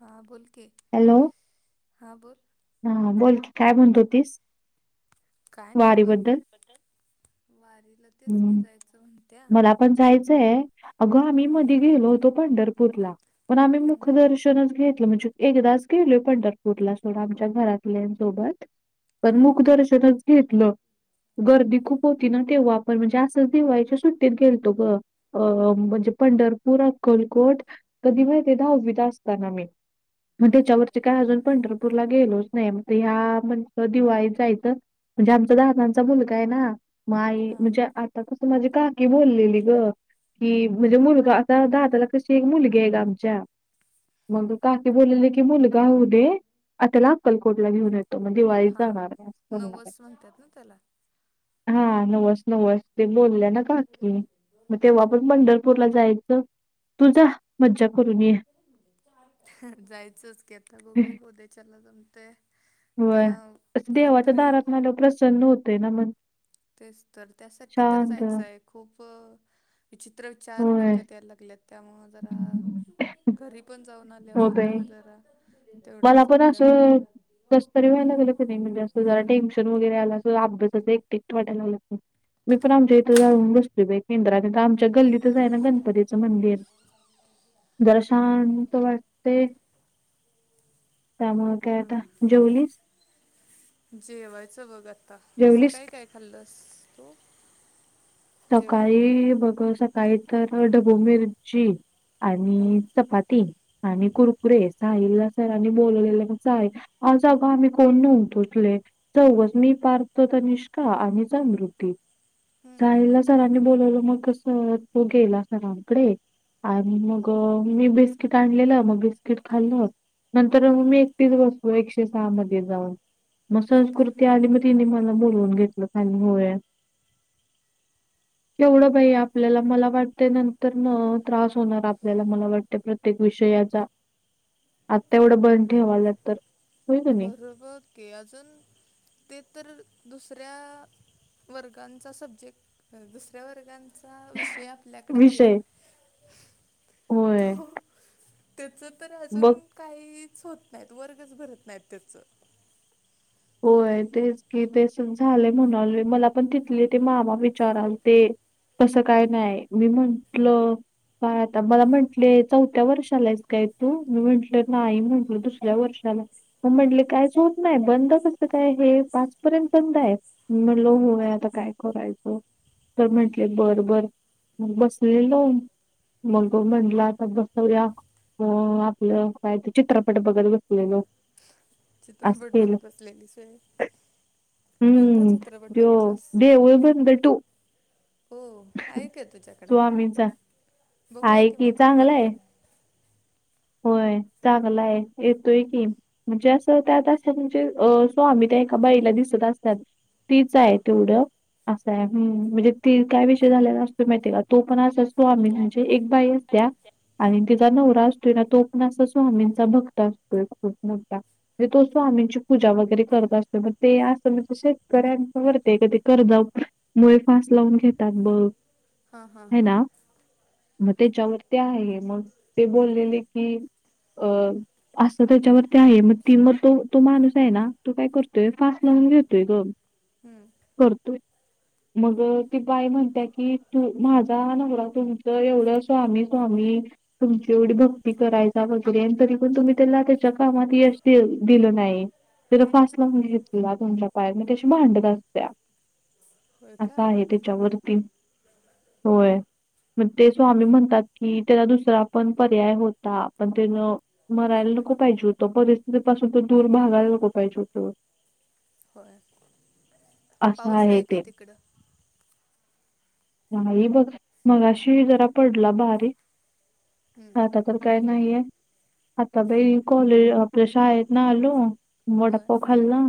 हा बोल की. हॅलो! हा बोल हा बोल की काय म्हणतहोतीस. काय नाही बघ वारीला तेच की हम्म जायचं म्हण मला पण जायचंय अगं आम्ही हा मध गेलो पंढरपूरला. पण आम्ही मुख हम्म दर्शन. तीतुनच घेतलं एकदाच गेलो पंढरपूरला सोड आमच्या घरातल्या सोबत. पण हा मुखदर्शनच घेतलं गर्दी खूप होती ना तेव्हा पण म्हणजे असंच दिवायच सुट्टीत गेलतो ग अ म्हणजे पंढरपूर, अक्कलकोट, कधी माहीतेय का ते दहावीत असताना मी मग हम्म त्यांच्यावर काय अजून पंढरपूरला गेलोच नाही ह्या म्हण दिवाळी जायचं. म्हणजे आमचा दहादाचा मुलगा आहे ना. मा आई हा म्हणजे आता कसं माझी काकी बोललेली गं. कि म्हणजे हम्म मुलगा आता दाताला कशी एक मुलगी आहे ग आमच्या- मग काकी बोललेले की मुलगा होऊदे आताला अक्कलकोटला घेऊन येते. दिवाळीत हा जाणार आहे असं म्हणणार आहे. नवस म्हणतात ना त्याला हा नवस नवस ते बोलल्या ना काकी मग तेव्हा पण हम्म पंढरपूर पंढरपूरला जायचं, तुझा मज्जा करून या. जायचंच की आता बघू ऊद्याच्याला जमते. ते देवाच्या दारात मन प्रसन्न होतेंय ना मग. तेच तर त्यासाठी तर जायचंय खूप, विचित्र चार होय डोक्यात यायला लागलेत त्यामुळं जरा घरी पण जाऊन हो आल्यावर बाई पण जरा मला तेवढाच पण आपल्या असं कसं तरी व्हायला लागलं की नाही म्हणजे असं जरा टेन्शन वगैरे आला अस अभ्यासाचं एकएकट वाटायला लागत नाही. मी पण आम्हच्या इत जाउन बसतोय बाई केंद्रात आमच्या गल्लीत तीथच आहे ना गणपतीचं मंदिर जरा हम्म हम्म शांत वाटतयं. त्यामुळे काय आता हम्म जेवलीस? जेवायचं बघ आता, जेवलीस सकाळी काय काय खाल्ंलस. सकाळी बघ सकाळी तर, ढब्बु मिरची. हा. आणि चपाती आणि कुरकुरे साहिल सरांनी बोललेलं मग सा जाग आम्ही कोण न उतोचले [inaudible] चौघच मी पार्थ तनिष्का आणि अमृत. हम्म जायला सरांनी बोलवलं मग कंस तो गेला सरांकडे. आणि मग मीन बिस्किट आणलेलं मग बिस्किट खाल्ल. नंतर मग मी एकटीच बसलो एकशे सहा मध्ये जाऊन. मग होय का संस्कृती आली. मग तिने मला बोलवून घेतलं खाली होय. केवढं बाई. आपल्याला मला वाटते. नंतर न त्रास होणार आपल्याला, मला वाटते प्रत्येक विषयाचा. [inaudible] आत्ता एवढं बंद ठेवाल्यात तर, होय का नाही बरोबर ओके. आजून ते तर दुसऱ्या वर्गाचा सब्जेक्ट. दुसऱ्या वर्गा चा विषय आपल्याकड आहे. विषय होय. तो त्याचं तर अजून बघ काहीच होत नाहीत. वर्गच भरत नाहीत त्याचं. होय. तेच की, तसंच झालय म्हणालोय. मला पण तिथले ते मामा विचारालते तसं काय नाही. मी म्हंटलं, का आता मला म्हंटले चौथ्या वर्षाला आहेस काय तू? मी म्हंटलं नाही म्हटल दुसऱ्या वर्षाला. मग म्हटले कायच होत नाही बंद असकस काय हे. पाचपर्यंत बंद आहे. मी म्हटलो होय आता काय करायचं. तर म्हंटले बर बर मग बसलेलो. मग म्हटला, आता बस पहिला. म आपलं काय तर चित्रपट बघत बसलेलो. असं चित्रपट केलं बघत बसलेलीस होय. कोणता हम्म चित्रपट त्यो बघितलास? देऊळ बंद टू. हो आहे काय तुझ्याकडं? स्वामींचा बघूया आहे की, मग चांगला आपण आहे पण. होय चांगला हाय येतोय की. म्हणजे असं त्यात असतात म्हणजे, अ स्वामी त्या एका बाईला दिसत असतात. तीच हां हाय तेवढं असा आहे. हम. म्हणजे ती काय विषय झालेला असतो माहिती आहे का तू पण असाच स्वामी म्हणजे एक बाई असत्या. आणि तिचा नवरा अस तुला तो पण अस स्वामींचा भक्त असतोय खूप मोठा. म्हणजे तो स्वामींची पूजा वगैरे करत असतोय. मग ते असं म्हणजे शेतकऱ्यांच्या वरती आहे गं. कर्ज मुळे फास लावून घेतात बघ. हां हां हे हां ना. मग त्याच्या वरती आहे. मग ते बोललेले की अ असं त्याच्यावरती आहे. मग ती मग तो तो माणूस आहे ना. तो काय करतोय फास लावून घेतोय ग. हम्म. करतोय. मग ती बाई म्हणत्या की, तू माझा नवरा तुमचं एवढं स्वामी स्वामी तुमची एवढी भक हे करायचा. वगैरे तरी पण तुम्ही त्याला त्याच्या कामात यश दि दिलं नाही. तेन फास लावून घेतला. तुमच्या पाया मगं त्याच्याशी भांडत असत्या. होय का? असा आहे त्याच्या वरती. होय. मग ते स्वामी म्हणतात की, त्याला दुसरा पण पर्याय हो ता. पण तेज मरायला नको पाहिजे होतं. परिस्थिती पासून ते दूर भागायला नको पाहिजे होतं. होय. असं पाऊस आहे काय ते. तिकडं? नाही बघ. मगाशी जरा पडला बारीक. हम्म, आता तर काय नाहीये. आता बाई कॉलेज आपल्या शाळेतन आलो. होय. वडापाव खाल्ला.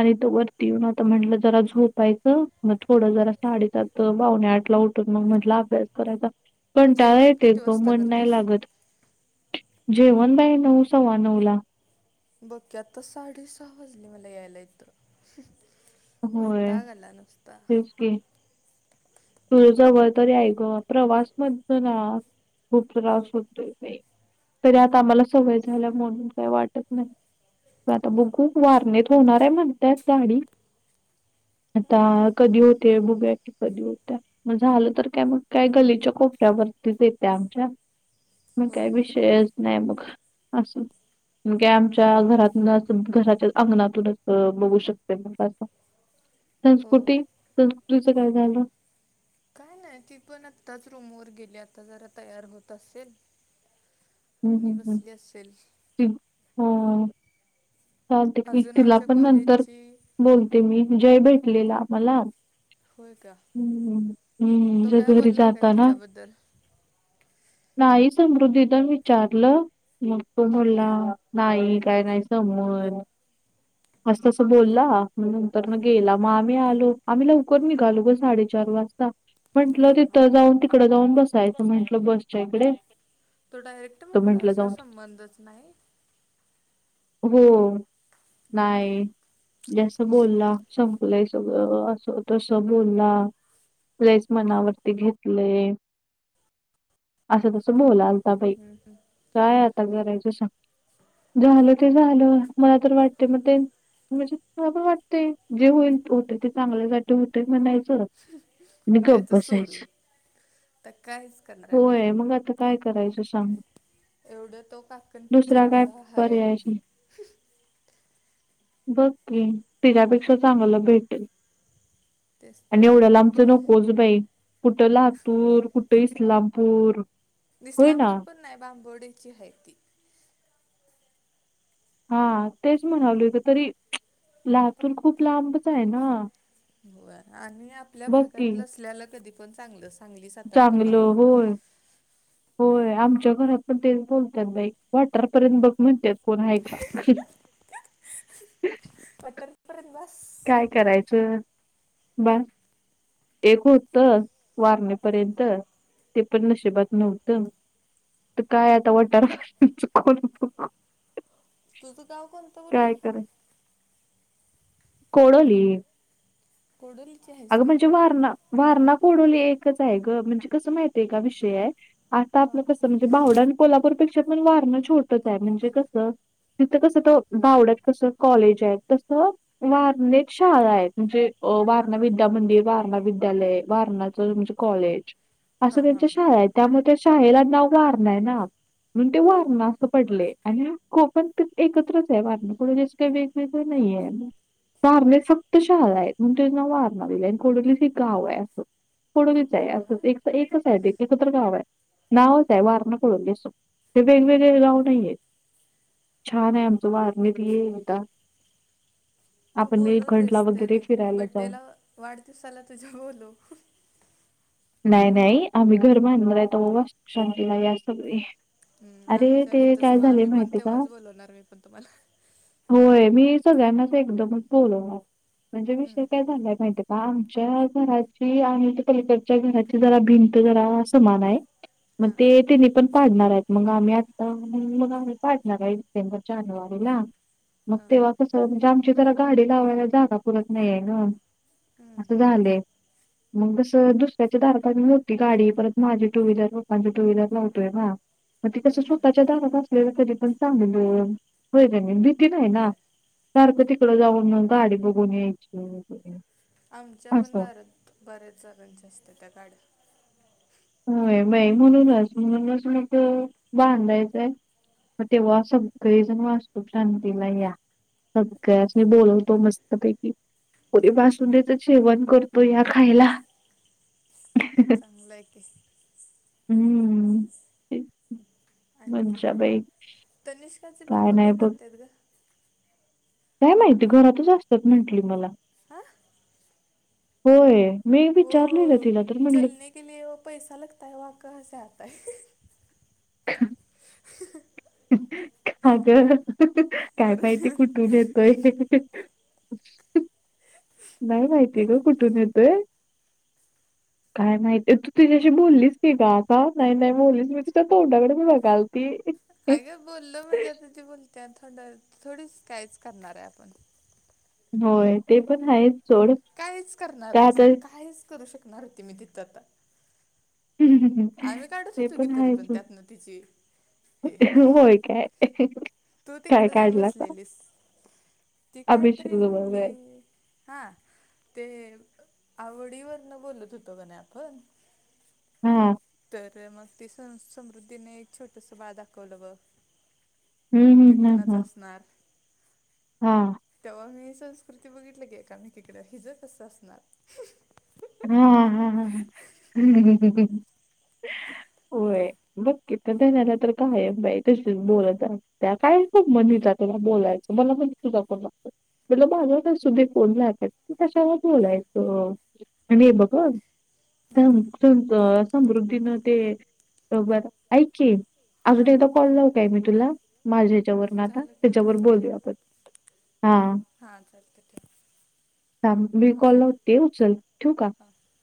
आणि त वरती येऊन आता म्हटलं जरा झोपायचं. मग थोडं जरा साडेसात पाउणेआठला उठून मग म्हटलं अभ्यास करायचा कंटाळा जेवण येते किती ग वाजता मन नाही करतेस? लागत जेवण बाय नऊ सवा नऊ ला बघतातर साडे सहा वाजले मला यायला इथ वैताग आला नुसता तूझ जबाबदारी आहे का [inaudible] प्रवास म्हणल ना खूप त्रास होय. होतोय बाई, तरी आता आम्हाला सवय झाल्या म्हणून काही वाटत नाही. आता होय. बघु वारनेत होणार आहे म्हणत्यात गाडी. [unintelligible] आता कधी होतेय बघुया की कधी होतय मग झालं तर कॅब काय मग [inaudible] काय गल्लीच्या कोपऱ्यावरतीच येते आमच्या. मग काय होय. विषयच नाही मग असून. मग काय आमच्या घरातूनच [inaudible] घराच्या अंगणातूनच बघू शकत मग आता हो. संस्कृती [unintelligible] संस्कृतीच काय झालं? काय नाही ती पण आताच रूम वर गेली आता जरा तयार होत असेल. हम्म आणि हम् बसली असेल. हम्म हो. [unintelligible] चालते की अजून तिला आमच्या पण नंतर कॉलेजची बोलते मी जय भेटलेला आम्हाला [inaudible] हम् होय का? तो हम्म [unintelligible] काय घरी बोलला काय जातना. तिच्याबद्दल? नाही समृद्धी तर मी विचारलं. मग तो बोला नाही काय नाही संबंध [unintelligible] मस्त असं बोलला मग नंतर ना हम्म, गेला. मग आम्ही आलो आम्ही लवकर निघालो ग साडेचार वाजता. म्हटलं हां हां. तिथं जाऊन तिकड जाऊन बसायचं म्हटलं बसच्या इकडे तो डायरेक्ट तर म्हटला म्हंटलं असा जाऊन संबंधच नाही? हो. नाही. म्हणजे अस बोलला संपलय सगळं. अस तस बोला. लयच मनावरती घेतलय असं तस बोलाल ता. हम हम. [unintelligible] काय आता करायचं सांग झालं ते झालं मला तर वाटतय मग ते म्हणजे मला अस वाटतंय जे होते ते चांगल्यासाठी होतय म्हनायचं आणि [unintelligible] हम्म गप द्यायचं बसायचं. सोडून. तर कायच करणार आहे आपण होय मग आता काय करायचं सांग. एवढं तो काकण पिक्चर दुसरा काय एवढा हाय पर्यायच नाही बघ की तिच्यापेक्षा चांगल भेटल तेच आणि तर एवढ्या लांब नकोच बाई कुठ लातूर कुठ इस्लामपूर. होय ना ईस्लामपूर पण नाही बांबोड्याची आहे ती. हा तेच म्हणालोय ग तरी लातूर खूप लांबच आहे ना? होय आणि आपल्या बघ भागात असलेलं कधी पण चांगलंच. चांगल होय. होय आमच्या घरात पण तेच बोलत्यात बाई वाटारपर्यंत बघ म्हणत्यात कोण आहे का? [inaudible] [unintelligible] तिथंपर्यंत बास काय करायचं बाय [inaudible] एक होत वारणेपर्यंत ते पण नशिबात नव्हतं. काय आता वाटारच कौतुक [inaudible] कोन बघू? तुझं गाव कोणत? कायतरी.. कोडोली. कोडोलीचे हायेत? अगं म्हणजे वारणा- वारणा कोडोली एकच आहे गं म्हणजे कसं माहित आहे का विषय हाय आता हां आपलं कसं म्हणजे बावडा आणि कोल्हापूरपेक्षा, पण वारणं छोटंच आहे म्हणजे कसं तिथं कस त बावड्यात कसं कॉलेज आहे तसं वारनेत शाळा आहे, म्हणजे वार विद्या मंदिर, वारणा विद्यालय, वारणाचंच म्हणजे कॉलेज असं हां हां त्यांच्या शाळा आहेत. त्यामुळे शाळेला नाव वारणा हाय ना. म्हणून ते वारणा असं पडलंय आणि कोकण एकत्रच आहे वारणेकडून असं काही वेग वेगळं नाहीये, वारणेत फक्त शाळा आहेत. तेच नाव वारणा लिहिलंय आणि कोडोली हे गाव आहे अस, कोडोलीच होय असं. का ते एकच आहे ते एकत्र गाव आहे. नावच आहे वारणा कडोली असं ते वेगवेगळे गाव नाही आहेत. छान आहे आमचं वारणेत ये एकदा. तू आपण निळकंठला बोलवतेस वगैरे तरी फिरायला जाऊ. बड्डेला वाढदिवसाला तुझ्या बोलव. नाही- नाही आम्हीं घर बांधणार हाय, तवा वास्तुकशांतीला या सगळी. हं.. आमच्या तिथंच मग आम्हीं पण का? तेव्हाच बोलवणार मी पण तुम्हांला. होय मी सगळ्यांनाच एकदमच बोलवणार. म्हणजे विषय हम्म, काय झालायं माहितीय का, आमच्या घराची आमी अलीकड च्या घराची भिंत जरा समान आहे मग हां ते तेनी पण पाडणार आहेत, मग आम्हीं आता मग आम्हीं पाडणार आहे डिसेंबर -जानेवारीला. मग हां तेव्हा कसं म्हणजे आमची जरा गाडी लावायला जागा पुरत नाहीये ना, हम्म. असं झालंय मग तस दुस र्याच्या दारात आम्हीं मोठी गाडी, परत माझी टू व्हीलर, पप्पांची टू व्हीलर लावतोय ना. मग ते कसं होय का स्वतःच्या दारात असलेलं कधी पण चांगलं होय कनाई भिती नाही ना होय सारखं तिकडं जाऊन गाडी बघून यायची वगैरे. आमच्या पण असं दारात बऱ्याच जणांच्या असत्यात्या गाड्या. होय बाई म्हणूनच म्हणूनच मग बांधायचंय. मग तेव्हा सगळीजण वास्तुकशांतीला या. सगळ्यांस्नी बोलवतो मस्तपैकी. पुरी ठीक आहे ठीक बासुंदीच आहे जेवणं करतो या खायला. चांगलंय की. हूं... आणखी काय, तनिष्काचे पप्पा नाही काय बघ करतायत गं? काय माहिती घरातच असत्यात म्हटंली मला. हां होय. मी विचारलेलं ओ तिला, तर म्हणली चलने के लिये वो पैसा लागता है वो कहासे आता है. [unintelligible] [unintelligible] अग काय मराठी माहिती कुठून मध्ये. येतोय. [unintelligible] नाही माहिती आहे गं कुठून येतंय. [inaudible] काय माहितीय, तू तुझ्याशी बोललीस ती का असा, नाही नाही बोललीस मी तुझ्या तोंडाकडे बघालती काय ग बोललो म्हणजे, तीत बोलत्या थंड थोडीच काहीच करणार हाय आपण. होय, ते पण हायच सोड कायच करणार का आहे सांग, तर काहीच करू शकणार होती मी तिथं आता. हम् हं हम आम्ही काढूच होेतो की, तरी पण त्यातन तिची ते, होय काय तू काय तिकडे जाऊन काढलासा बसलेलीस. ती काय अभिषेक तरी जोबळवे. आणलीय. हा, ते आवडीवरन बोलत होतो का नाही आपण. हं तर मग ती स समृद्धीने एक छोटंसं बाळ दाखवलं बघ हम्म ते हम्म कुणाचं हम्म असणार हा तेव्हा मी संस्कृती बघितली की एकामेकीकडं हिज कसं असणार. हा हा हा, ही ही ही [inaudible] बघ की तर तेला तर कायम बाई तशीच बोलत राह त्या काय खूप म्हणी जातेला बोलायचं मला म्हणली तुझा कोण लागतो. मला बाजास तर सुधीत फोन लागत, मग कशाला बोलायचं. आणि हे बकर [inaudible] हम्म, समृद्धीनं ते जरा ऐक की अजून हां एकदा कॉल लावू काय मी तुला, माझ्या ह्याच्यावरन आता, त्याच्यावर बोलूया आपण. हा चालतंय ठेव. हा, मी कॉल लावते उचल, ठीऊ का? हा